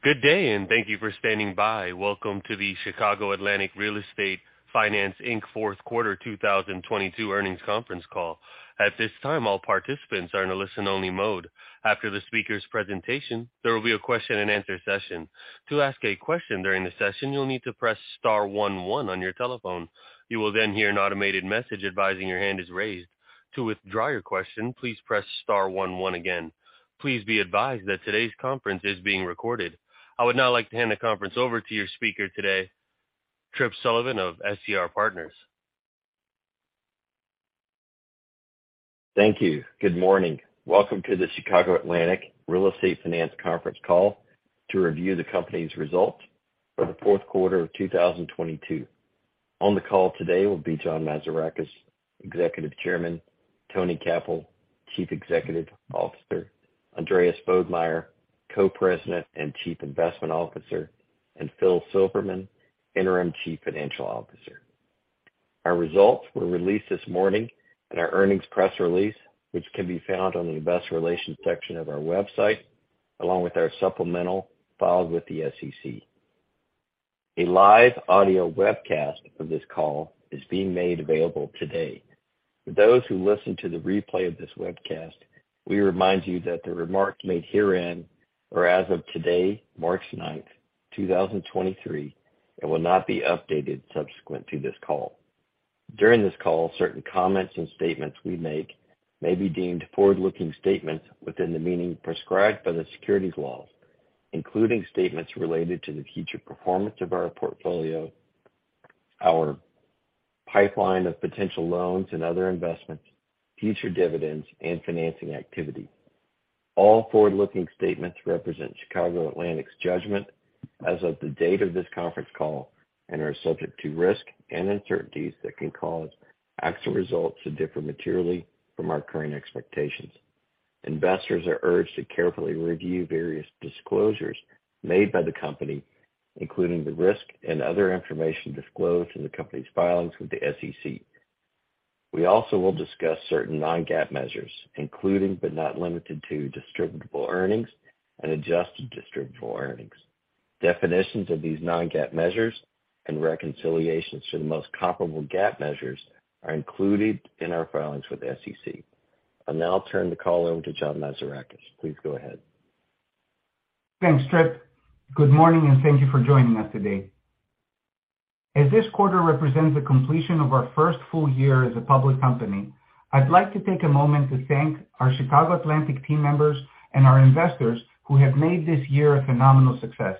Good day, and thank you for standing by. Welcome to the Chicago Atlantic Real Estate Finance, Inc. fourth quarter 2022 earnings conference call. At this time, all participants are in a listen-only mode. After the speaker's presentation, there will be a question-and-answer session. To ask a question during the session, you'll need to press star 11 on your telephone. You will then hear an automated message advising your hand is raised. To withdraw your question, please press star 11 again. Please be advised that today's conference is being recorded. I would now like to hand the conference over to your speaker today, Tripp Sullivan of SCR Partners. Thank you. Good morning. Welcome to the Chicago Atlantic Real Estate Finance Conference Call to review the company's results for the fourth quarter of 2022. On the call today will be John Mazarakis, Executive Chairman, Tony Cappell, Chief Executive Officer, Andreas Bodmeier, Co-President and Chief Investment Officer, and Phil Silverman, Interim Chief Financial Officer. Our results were released this morning in our earnings press release, which can be found on the investor relations section of our website, along with our supplemental filed with the SEC. A live audio webcast of this call is being made available today. For those who listen to the replay of this webcast, we remind you that the remarks made herein are as of today, March 9, 2023, and will not be updated subsequent to this call. During this call, certain comments and statements we make may be deemed forward-looking statements within the meaning prescribed by the securities laws, including statements related to the future performance of our portfolio, our pipeline of potential loans and other investments, future dividends, and financing activity. All forward-looking statements represent Chicago Atlantic's judgment as of the date of this conference call and are subject to risk and uncertainties that can cause actual results to differ materially from our current expectations. Investors are urged to carefully review various disclosures made by the company, including the risk and other information disclosed in the company's filings with the SEC. We also will discuss certain non-GAAP measures, including, but not limited to distributable earnings and adjusted distributable earnings. Definitions of these non-GAAP measures and reconciliations to the most comparable GAAP measures are included in our filings with the SEC. I'll now turn the call over to John Mazarakis. Please go ahead. Thanks, Tripp. Good morning, thank you for joining us today. As this quarter represents the completion of our first full year as a public company, I'd like to take a moment to thank our Chicago Atlantic team members and our investors who have made this year a phenomenal success.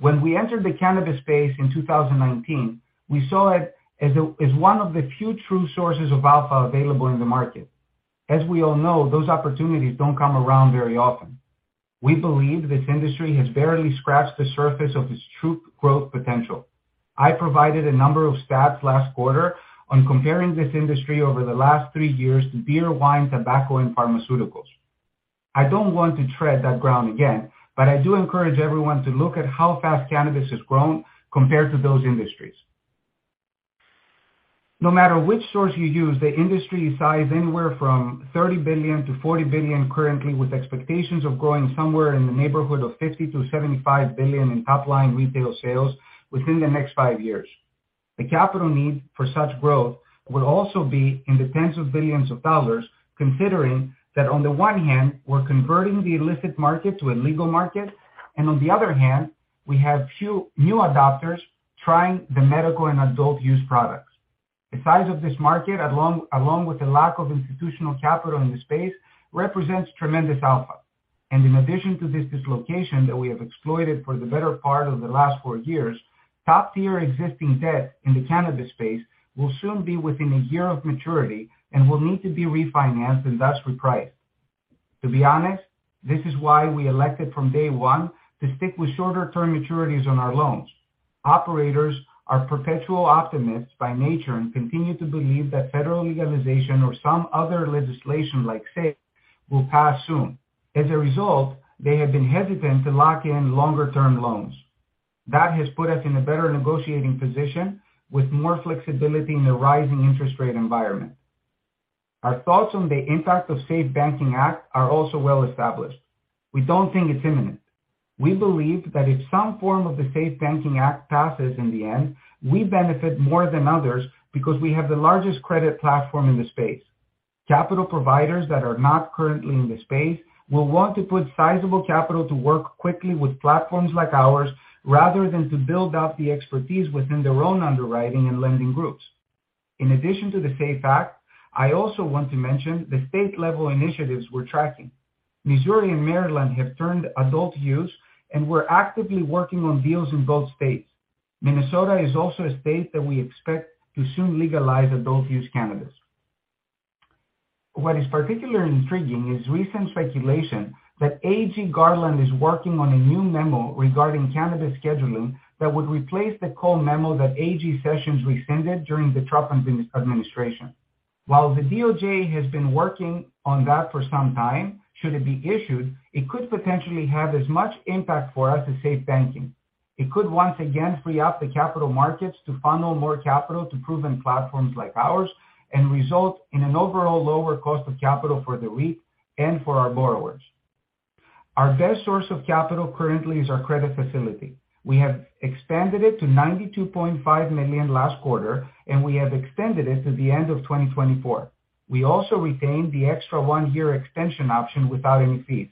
When we entered the cannabis space in 2019, we saw it as one of the few true sources of alpha available in the market. As we all know, those opportunities don't come around very often. We believe this industry has barely scratched the surface of its true growth potential. I provided a number of stats last quarter on comparing this industry over the last three years to beer, wine, tobacco, and pharmaceuticals. I don't want to tread that ground again. I do encourage everyone to look at how fast cannabis has grown compared to those industries. No matter which source you use, the industry is sized anywhere from $30 billion-$40 billion currently, with expectations of growing somewhere in the neighborhood of $50 billion-$75 billion in top-line retail sales within the next 5 years. The capital need for such growth will also be in the tens of billions of dollars, considering that on the one hand, we're converting the illicit market to a legal market, and on the other hand, we have new adopters trying the medical and adult use products. The size of this market, along with the lack of institutional capital in the space, represents tremendous alpha. In addition to this dislocation that we have exploited for the better part of the last four years, top-tier existing debt in the cannabis space will soon be within a year of maturity and will need to be refinanced and thus repriced. To be honest, this is why we elected from day one to stick with shorter-term maturities on our loans. Operators are perpetual optimists by nature and continue to believe that federal legalization or some other legislation like SAFE will pass soon. As a result, they have been hesitant to lock in longer-term loans. That has put us in a better negotiating position with more flexibility in the rising interest rate environment. Our thoughts on the impact of SAFE Banking Act are also well established. We don't think it's imminent. We believe that if some form of the SAFE Banking Act passes in the end, we benefit more than others because we have the largest credit platform in the space. Capital providers that are not currently in the space will want to put sizable capital to work quickly with platforms like ours rather than to build out the expertise within their own underwriting and lending groups. In addition to the SAFE Act, I also want to mention the state-level initiatives we're tracking. Missouri and Maryland have turned adult use, we're actively working on deals in both states. Minnesota is also a state that we expect to soon legalize adult use cannabis. What is particularly intriguing is recent speculation that AG Garland is working on a new memo regarding cannabis scheduling that would replace the Cole Memo that AG Sessions rescinded during the Trump administration. While the DOJ has been working on that for some time, should it be issued, it could potentially have as much impact for us as SAFE Banking. It could once again free up the capital markets to funnel more capital to proven platforms like ours and result in an overall lower cost of capital for the REIT and for our borrowers. Our best source of capital currently is our credit facility. We have expanded it to $92.5 million last quarter, and we have extended it to the end of 2024. We also retained the extra one year extension option without any fees.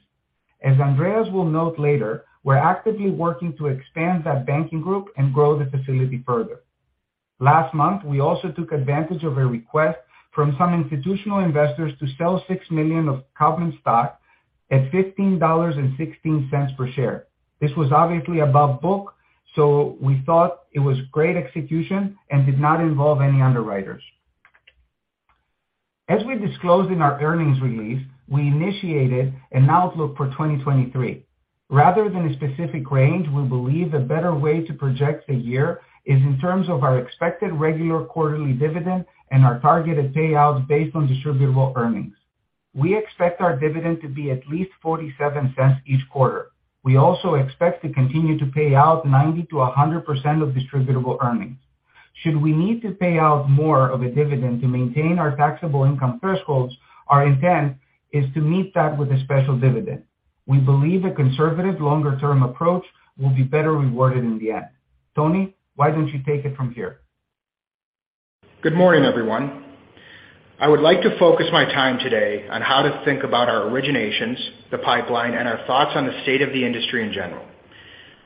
As Andreas will note later, we're actively working to expand that banking group and grow the facility further. Last month, we also took advantage of a request from some institutional investors to sell $6 million of common stock at $15.16 per share. This was obviously above book. We thought it was great execution and did not involve any underwriters. As we disclosed in our earnings release, we initiated an outlook for 2023. Rather than a specific range, we believe a better way to project the year is in terms of our expected regular quarterly dividend and our targeted payouts based on Distributable Earnings. We expect our dividend to be at least $0.47 each quarter. We also expect to continue to pay out 90%-100% of Distributable Earnings. Should we need to pay out more of a dividend to maintain our taxable income thresholds, our intent is to meet that with a special dividend. We believe a conservative longer-term approach will be better rewarded in the end. Tony, why don't you take it from here? Good morning, everyone. I would like to focus my time today on how to think about our originations, the pipeline, and our thoughts on the state of the industry in general.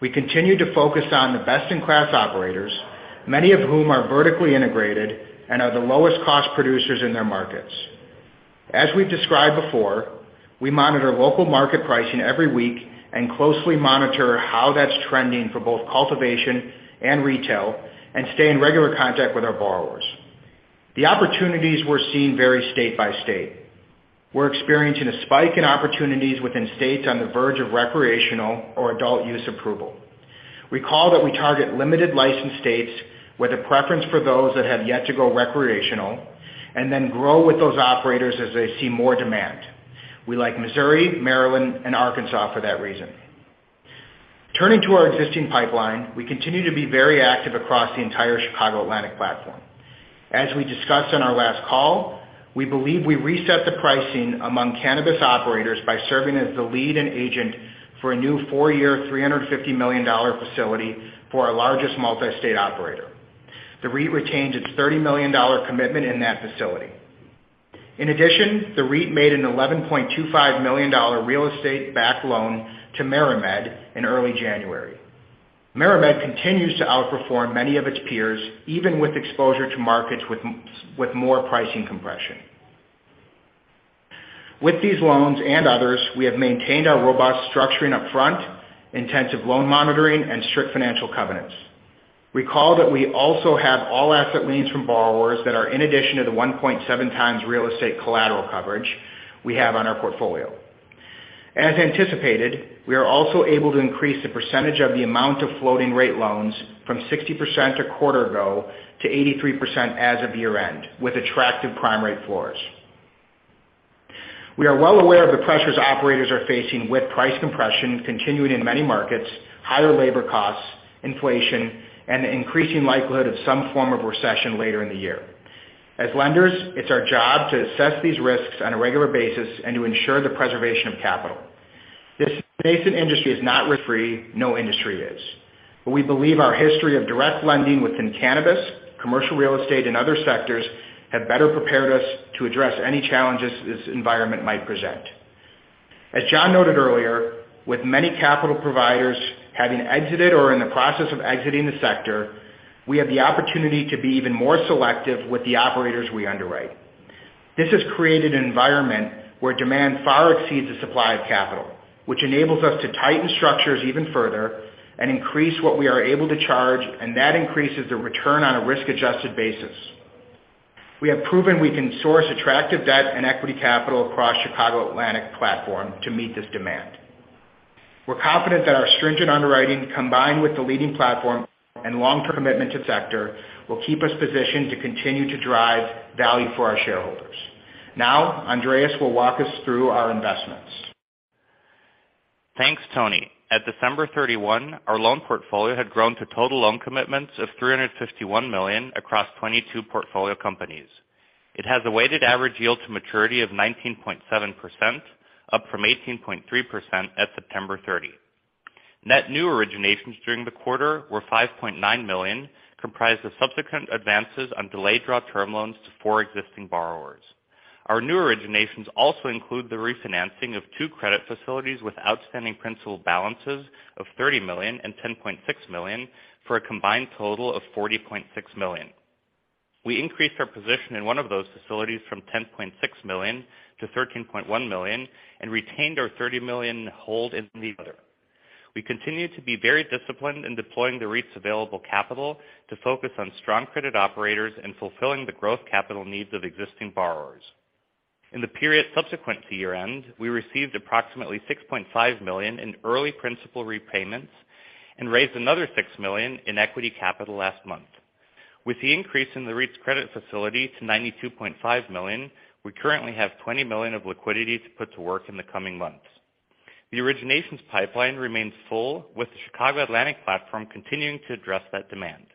We continue to focus on the best-in-class operators, many of whom are vertically integrated and are the lowest cost producers in their markets. As we've described before, we monitor local market pricing every week and closely monitor how that's trending for both cultivation and retail and stay in regular contact with our borrowers. The opportunities we're seeing vary state by state. We're experiencing a spike in opportunities within states on the verge of recreational or adult use approval. Recall that we target limited license states with a preference for those that have yet to go recreational and then grow with those operators as they see more demand. We like Missouri, Maryland, and Arkansas for that reason. Turning to our existing pipeline, we continue to be very active across the entire Chicago Atlantic platform. As we discussed on our last call, we believe we reset the pricing among cannabis operators by serving as the lead and agent for a new four year, $350 million facility for our largest multi-state operator. The REIT retains its $30 million commitment in that facility. In addition, the REIT made an $11.25 million real estate-backed loan to MariMed in early January. MariMed continues to outperform many of its peers, even with exposure to markets with more pricing compression. With these loans and others, we have maintained our robust structuring upfront, intensive loan monitoring, and strict financial covenants. Recall that we also have all asset liens from borrowers that are in addition to the 1.7x real estate collateral coverage we have on our portfolio. As anticipated, we are also able to increase the percentage of the amount of floating rate loans from 60% a quarter ago to 83% as of year-end, with attractive prime rate floors. We are well aware of the pressures operators are facing with price compression continuing in many markets, higher labor costs, inflation, and the increasing likelihood of some form of recession later in the year. As lenders, it's our job to assess these risks on a regular basis and to ensure the preservation of capital. This nascent industry is not risk-free. No industry is. We believe our history of direct lending within cannabis, commercial real estate, and other sectors have better prepared us to address any challenges this environment might present. As John noted earlier, with many capital providers having exited or are in the process of exiting the sector, we have the opportunity to be even more selective with the operators we underwrite. This has created an environment where demand far exceeds the supply of capital, which enables us to tighten structures even further and increase what we are able to charge, and that increases the return on a risk-adjusted basis. We have proven we can source attractive debt and equity capital across Chicago Atlantic to meet this demand. We're confident that our stringent underwriting, combined with the leading platform and long-term commitment to sector, will keep us positioned to continue to drive value for our shareholders. Andreas will walk us through our investments. Thanks, Tony. At December 31, our loan portfolio had grown to total loan commitments of $351 million across 22 portfolio companies. It has a weighted average yield to maturity of 19.7%, up from 18.3% at September 30. Net new originations during the quarter were $5.9 million, comprised of subsequent advances on delayed draw term loans to four existing borrowers. Our new originations also include the refinancing of two credit facilities with outstanding principal balances of $30 million and $10.6 million for a combined total of $40.6 million. We increased our position in one of those facilities from $10.6 million to $13.1 million and retained our $30 million hold in the other. We continue to be very disciplined in deploying the REIT's available capital to focus on strong credit operators and fulfilling the growth capital needs of existing borrowers. In the period subsequent to year-end, we received approximately $6.5 million in early principal repayments and raised another $6 million in equity capital last month. With the increase in the REIT's credit facility to $92.5 million, we currently have $20 million of liquidity to put to work in the coming months. The originations pipeline remains full, with the Chicago Atlantic platform continuing to address that demand.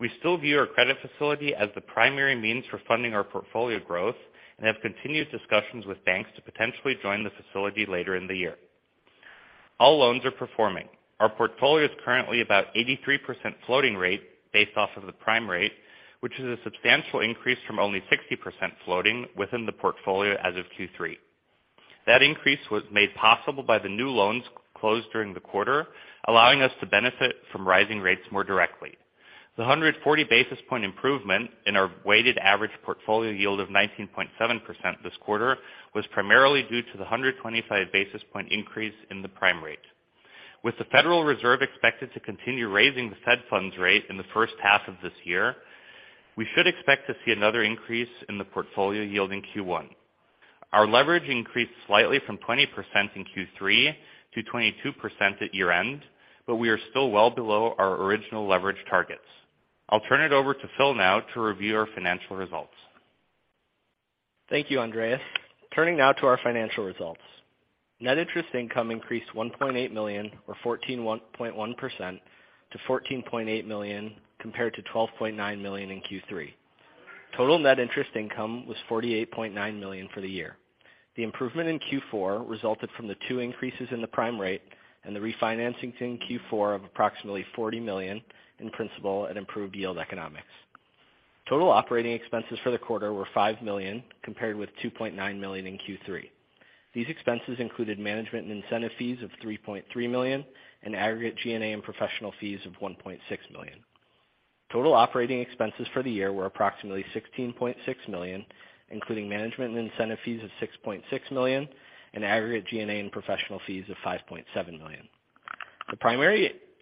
We still view our credit facility as the primary means for funding our portfolio growth and have continued discussions with banks to potentially join the facility later in the year. All loans are performing. Our portfolio is currently about 83% floating rate based off of the prime rate, which is a substantial increase from only 60% floating within the portfolio as of Q3. That increase was made possible by the new loans closed during the quarter, allowing us to benefit from rising rates more directly. The 140 basis point improvement in our weighted average portfolio yield of 19.7% this quarter was primarily due to the 125 basis point increase in the prime rate. With the Federal Reserve expected to continue raising the federal funds rate in the first half of this year, we should expect to see another increase in the portfolio yield in Q1. Our leverage increased slightly from 20% in Q3 to 22% at year-end, but we are still well below our original leverage targets. I'll turn it over to Phil now to review our financial results. Thank you, Andreas. Turning now to our financial results. Net interest income increased $1.8 million, or 14.1% to $14.8 million compared to $12.9 million in Q3. Total net interest income was $48.9 million for the year. The improvement in Q4 resulted from the two increases in the prime rate and the refinancing in Q4 of approximately $40 million in principal at improved yield economics. Total operating expenses for the quarter were $5 million, compared with $2.9 million in Q3. These expenses included management and incentive fees of $3.3 million and aggregate G&A and professional fees of $1.6 million. Total operating expenses for the year were approximately $16.6 million, including management and incentive fees of $6.6 million and aggregate G&A and professional fees of $5.7 million.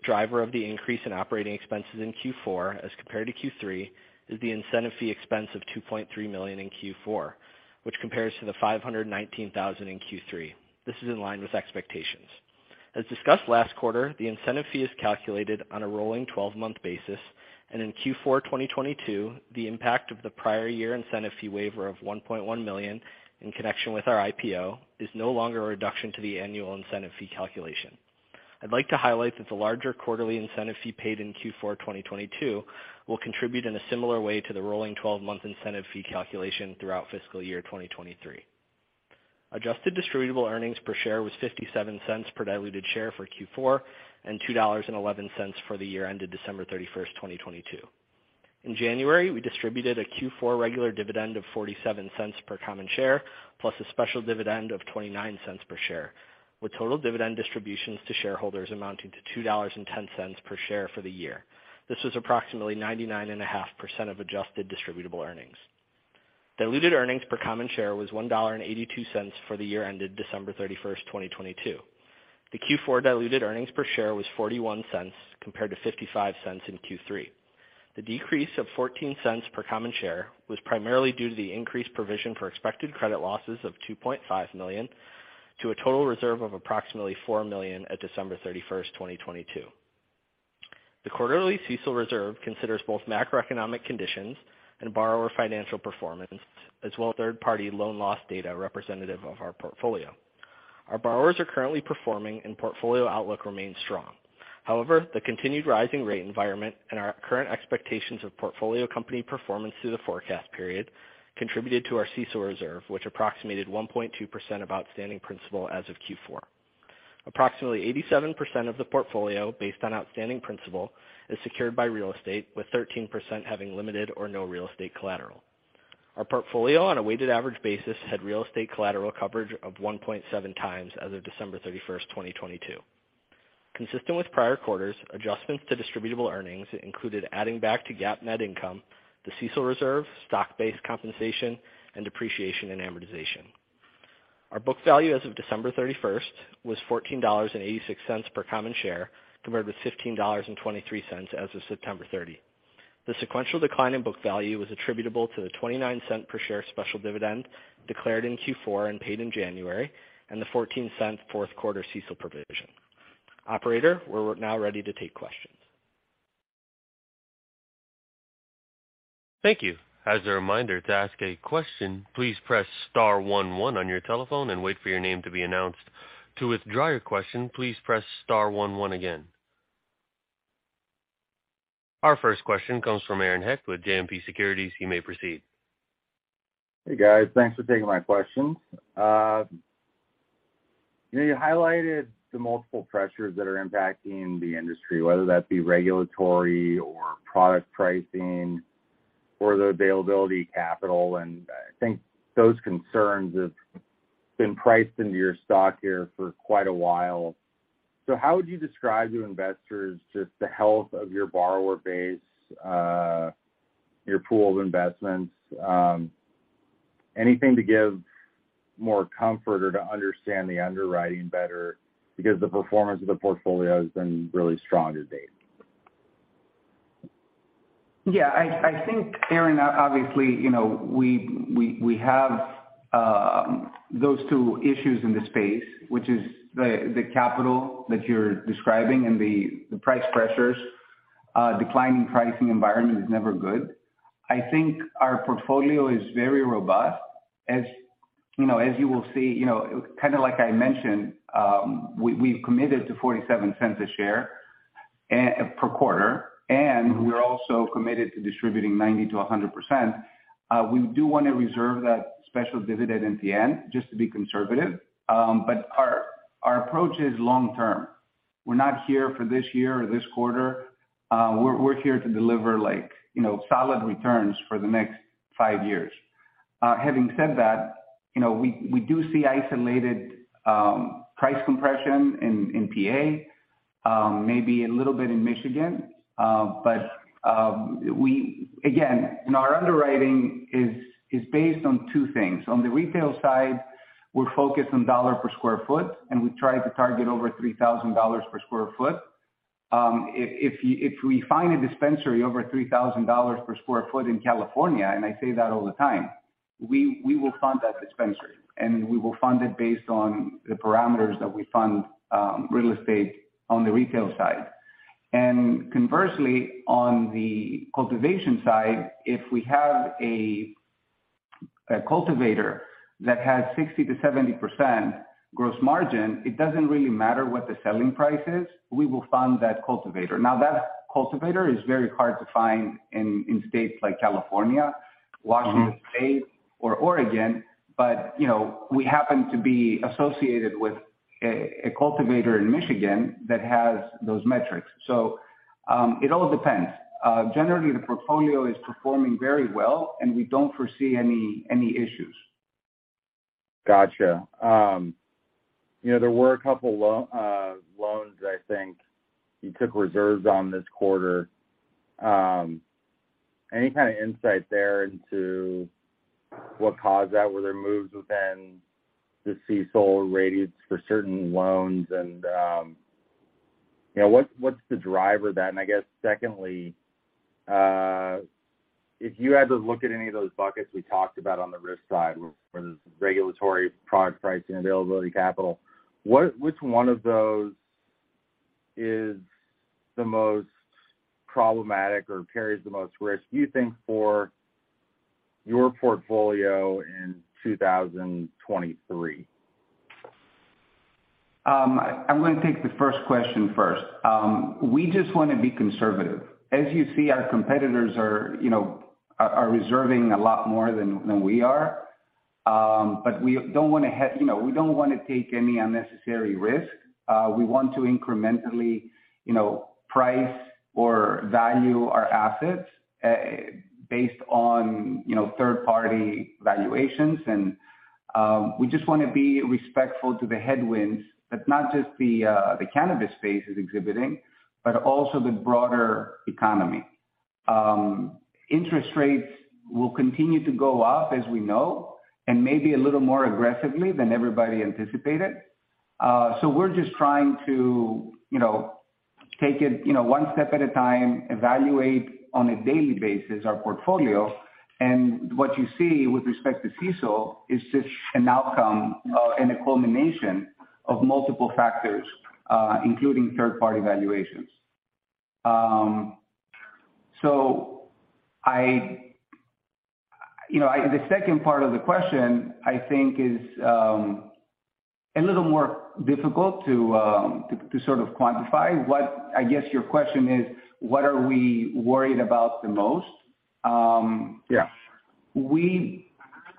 The primary driver of the increase in operating expenses in Q4 as compared to Q3 is the incentive fee expense of $2.3 million in Q4, which compares to the $519,000 in Q3. This is in line with expectations. As discussed last quarter, the incentive fee is calculated on a rolling twelve-month basis, and in Q4 2022, the impact of the prior year incentive fee waiver of $1.1 million in connection with our IPO is no longer a reduction to the annual incentive fee calculation. I'd like to highlight that the larger quarterly incentive fee paid in Q4 2022 will contribute in a similar way to the rolling twelve-month incentive fee calculation throughout fiscal year 2023. Adjusted distributable earnings per share was $0.57 per diluted share for Q4 and $2.11 for the year ended December thirty-first, 2022. In January, we distributed a Q4 regular dividend of $0.47 per common share, plus a special dividend of $0.29 per share, with total dividend distributions to shareholders amounting to $2.10 per share for the year. This was approximately 99.5% of adjusted distributable earnings. Diluted earnings per common share was $1.82 for the year ended December 31, 2022. The Q4 diluted earnings per share was $0.41 compared to $0.55 in Q3. The decrease of $0.14 per common share was primarily due to the increased provision for expected credit losses of $2.5 million to a total reserve of approximately $4 million at December 31, 2022. The quarterly CECL reserve considers both macroeconomic conditions and borrower financial performance, as well as third-party loan loss data representative of our portfolio. The continued rising rate environment and our current expectations of portfolio company performance through the forecast period contributed to our CECL reserve, which approximated 1.2% of outstanding principal as of Q4. Approximately 87% of the portfolio, based on outstanding principal, is secured by real estate, with 13% having limited or no real estate collateral. Our portfolio, on a weighted average basis, had real estate collateral coverage of 1.7x as of December 31, 2022. Consistent with prior quarters, adjustments to Distributable Earnings included adding back to GAAP net income, the CECL reserve, stock-based compensation, and depreciation and amortization. Our book value as of December 31 was $14.86 per common share, compared with $15.23 as of September 30. The sequential decline in book value was attributable to the $0.29 per share special dividend declared in Q4 and paid in January and the $0.14 fourth quarter CECL provision. Operator, we're now ready to take questions. Thank you. As a reminder, to ask a question, please press star one one on your telephone and wait for your name to be announced. To withdraw your question, please press star one one again. Our first question comes from Aaron Hecht with JMP Securities. You may proceed. Hey, guys, thanks for taking my questions. You know, you highlighted the multiple pressures that are impacting the industry, whether that be regulatory or product pricing or the availability capital. I think those concerns have been priced into your stock here for quite a while. How would you describe to investors just the health of your borrower base, your pool of investments? Anything to give more comfort or to understand the underwriting better because the performance of the portfolio has been really strong to date. Yeah, I think, Aaron, obviously, you know, we have Those two issues in the space, which is the capital that you're describing and the price pressures, declining pricing environment is never good. I think our portfolio is very robust. As, you know, as you will see, you know, kind of like I mentioned, we've committed to $0.47 a share per quarter, and we're also committed to distributing 90%-100%. We do want to reserve that special dividend at the end just to be conservative. Our approach is long term. We're not here for this year or this quarter. We're here to deliver like, you know, solid returns for the next five years. Having said that, you know, we do see isolated price compression in PA, maybe a little bit in Michigan. Again, our underwriting is based on two things. On the retail side, we're focused on dollar per square foot, and we try to target over $3,000 per square foot. If we find a dispensary over $3,000 per square foot in California, and I say that all the time, we will fund that dispensary, and we will fund it based on the parameters that we fund real estate on the retail side. Conversely, on the cultivation side, if we have a cultivator that has 60%-70% gross margin, it doesn't really matter what the selling price is, we will fund that cultivator. Now, that cultivator is very hard to find in states like California. Uh-huh... Washington State or Oregon. You know, we happen to be associated with a cultivator in Michigan that has those metrics. It all depends. Generally the portfolio is performing very well, and we don't foresee any issues. Gotcha. You know, there were a couple loans I think you took reserves on this quarter. Any kind of insight there into what caused that? Were there moves within the CECL ratings for certain loans? You know, what's the driver then? I guess secondly, if you had to look at any of those buckets we talked about on the risk side, whether it's regulatory, product pricing, availability, capital, which one of those is the most problematic or carries the most risk, do you think, for your portfolio in 2023? I'm gonna take the first question first. We just wanna be conservative. As you see, our competitors are, you know, are reserving a lot more than we are. We don't wanna take any unnecessary risk. We want to incrementally, you know, price or value our assets, based on, you know, third party valuations. We just wanna be respectful to the headwinds that not just the cannabis space is exhibiting, but also the broader economy. Interest rates will continue to go up as we know, and maybe a little more aggressively than everybody anticipated. We're just trying to, you know, take it, you know, one step at a time, evaluate on a daily basis our portfolio. What you see with respect to CECL is just an outcome, and a culmination of multiple factors, including third party valuations. you know, the second part of the question I think is, a little more difficult to sort of quantify. What, I guess your question is what are we worried about the most? Yeah. We,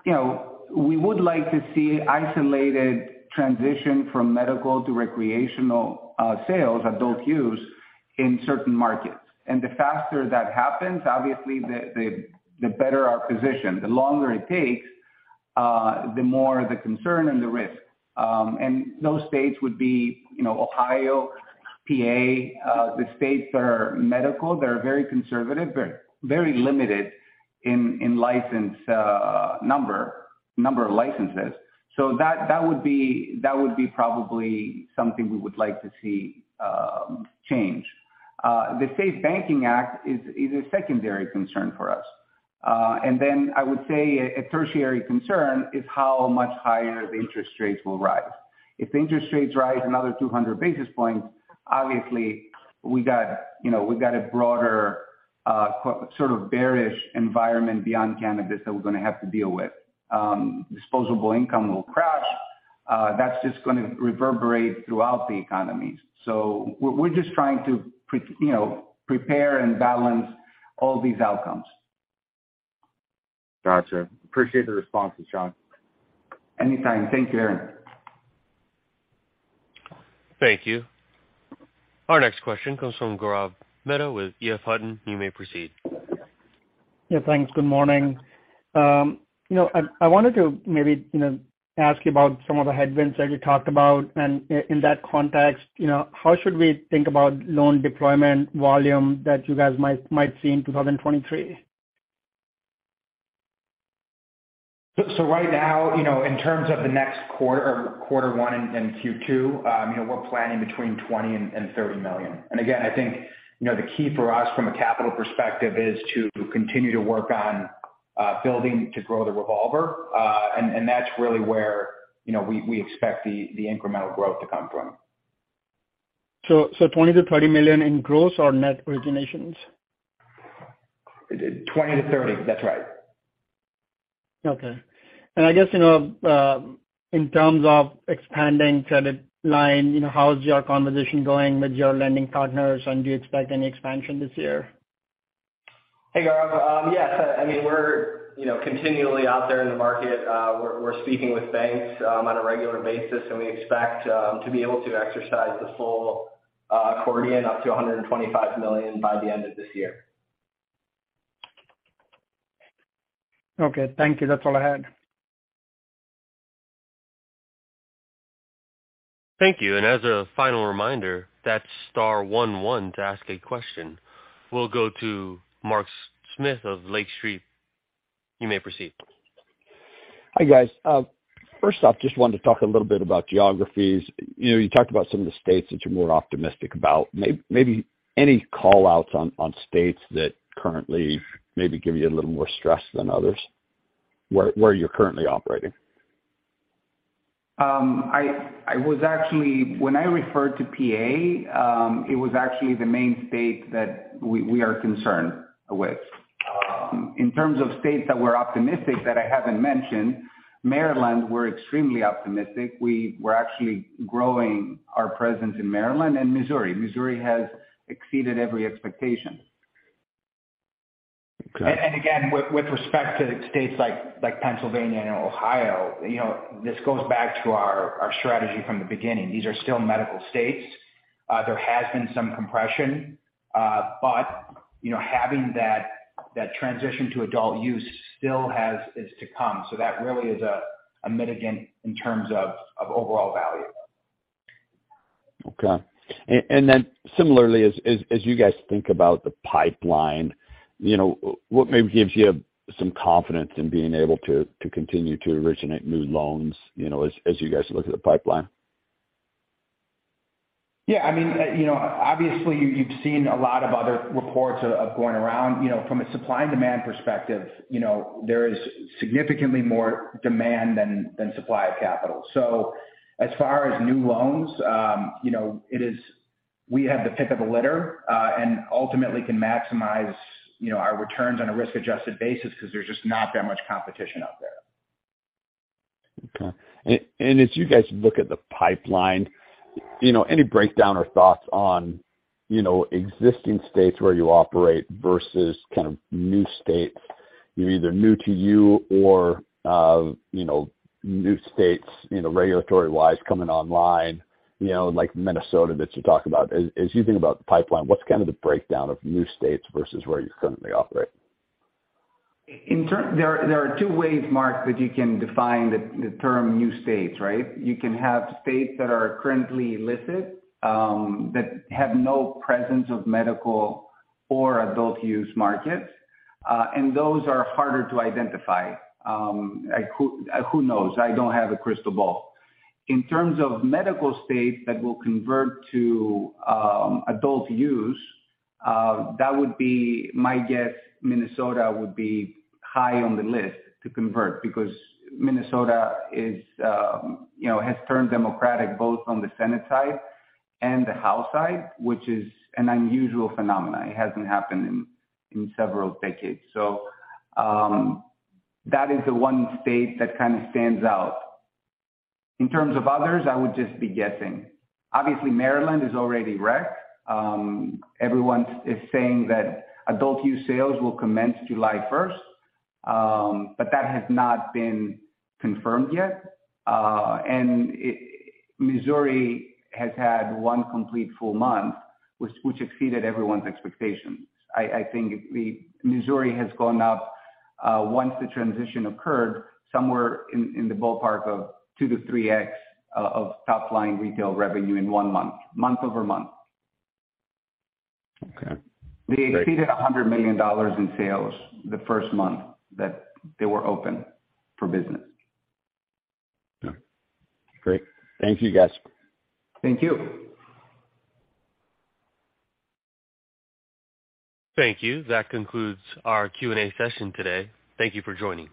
you know, we would like to see isolated transition from medical to recreational sales, adult use in certain markets. The faster that happens, obviously the better our position. The longer it takes, the more the concern and the risk. Those states would be, you know, Ohio, PA, the states that are medical, that are very conservative, very limited in license, number of licenses. That would be probably something we would like to see change. The SAFE Banking Act is a secondary concern for us. Then I would say a tertiary concern is how much higher the interest rates will rise. If interest rates rise another 200 basis points, obviously we got, you know, we've got a broader, sort of bearish environment beyond cannabis that we're gonna have to deal with. Disposable income will crash. That's just gonna reverberate throughout the economy. We're just trying to, you know, prepare and balance all these outcomes. Gotcha. Appreciate the responses, John. Anytime. Thank you, Aaron. Thank you. Our next question comes from Gaurav Mehta with EF Hutton. You may proceed. Yeah, thanks. Good morning. you know, I wanted to maybe, you know, ask you about some of the headwinds that you talked about, and in that context, you know, how should we think about loan deployment volume that you guys might see in 2023? Right now, you know, in terms of the next quarter or quarter one and Q2, you know, we're planning between $20 million and $30 million. Again, I think, you know, the key for us from a capital perspective is to continue to work on building to grow the revolver. That's really where, you know, we expect the incremental growth to come from. $20 million-$30 million in gross or net originations? 20-30. That's right. Okay. I guess, you know, in terms of expanding credit line, you know, how is your conversation going with your lending partners? Do you expect any expansion this year? Hey, Gaurav. Yes. I mean, we're, you know, continually out there in the market. We're speaking with banks, on a regular basis, and we expect to be able to exercise the full, accordion up to $125 million by the end of this year. Okay. Thank you. That's all I had. Thank you. As a final reminder, that's star one one to ask a question. We'll go to Mark Smith of Lake Street. You may proceed. Hi, guys. First off, just wanted to talk a little bit about geographies. You know, you talked about some of the states that you're more optimistic about. Maybe any call-outs on states that currently maybe give you a little more stress than others where you're currently operating? When I referred to PA, it was actually the main state that we are concerned with. In terms of states that we're optimistic that I haven't mentioned, Maryland, we're extremely optimistic. We're actually growing our presence in Maryland and Missouri. Missouri has exceeded every expectation. Okay. Again, with respect to states like Pennsylvania and Ohio, you know, this goes back to our strategy from the beginning. These are still medical states. There has been some compression, but, you know, having that transition to adult use still has is to come. That really is a mitigant in terms of overall value. Okay. Similarly, as you guys think about the pipeline, you know, what maybe gives you some confidence in being able to continue to originate new loans, you know, as you guys look at the pipeline? I mean, you know, obviously you've seen a lot of other reports up going around. You know, from a supply and demand perspective, you know, there is significantly more demand than supply of capital. As far as new loans, you know, it is, we have the pick of the litter and ultimately can maximize, you know, our returns on a risk-adjusted basis because there's just not that much competition out there. Okay. As you guys look at the pipeline, you know, any breakdown or thoughts on, you know, existing states where you operate versus kind of new states, either new to you or, you know, new states, you know, regulatory-wise coming online, you know, like Minnesota that you talked about? As you think about the pipeline, what's kind of the breakdown of new states versus where you currently operate? There are two ways, Mark, that you can define the term new states, right? You can have states that are currently illicit that have no presence of medical or adult use markets, and those are harder to identify. Who knows? I don't have a crystal ball. In terms of medical states that will convert to adult use, that would be, my guess, Minnesota would be high on the list to convert because Minnesota is, you know, has turned Democratic both on the Senate side and the House side, which is an unusual phenomena. It hasn't happened in several decades. That is the one state that kind of stands out. In terms of others, I would just be guessing. Obviously, Maryland is already rec. Everyone is saying that adult use sales will commence July first, but that has not been confirmed yet. Missouri has had one complete full month which exceeded everyone's expectations. I think the... Missouri has gone up, once the transition occurred, somewhere in the ballpark of 2x-3x of top-line retail revenue in one month-over-month. Okay. Great. They exceeded $100 million in sales the first month that they were open for business. Okay. Great. Thank you, guys. Thank you. Thank you. That concludes our Q&A session today. Thank you for joining.